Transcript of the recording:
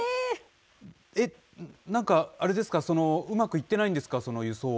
えっ、なんかあれですか、うまくいってないんですか？